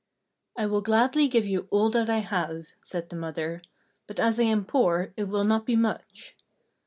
"I will gladly give you all that I have," said the mother, "but as I am poor, it will not be much."